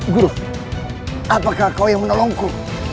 guru apakah kau yang menolongku